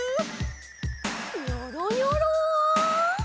ニョロニョロ。